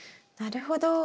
なるほど。